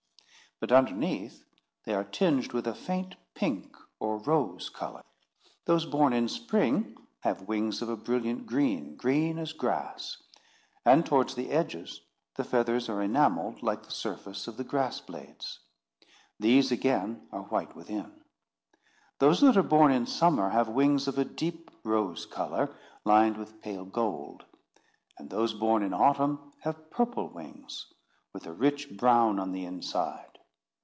But underneath, they are tinged with a faint pink or rose colour. Those born in spring have wings of a brilliant green, green as grass; and towards the edges the feathers are enamelled like the surface of the grass blades. These again are white within. Those that are born in summer have wings of a deep rose colour, lined with pale gold. And those born in autumn have purple wings, with a rich brown on the inside.